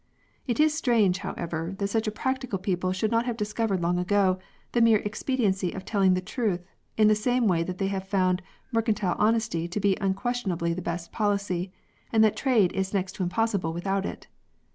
It is strange, however, that such a practical people should not have discovered long ago the mere expedi ency of telling the truth, in the same way that they have found mercantile honesty to be unquestionably the best policy, and that trade is next to impossible without it.